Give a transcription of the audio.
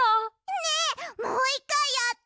ねえもう１かいやって！